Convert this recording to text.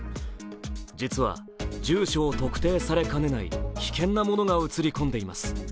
実は、住所を特定されかねない危険なものが映り込んでいます。